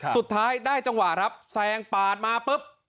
สุดท้ายได้จังหวะครับแซงปาดมาปุ๊บ